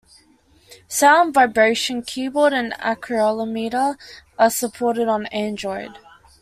Sound, vibration, keyboard, and accelerometer are supported on Android.